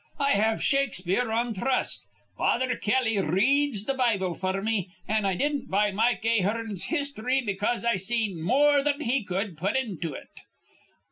I have Shakespeare on thrust, Father Kelly r reads th' Bible f'r me, an' I didn't buy Mike Ahearn's histhry because I seen more thin he cud put into it.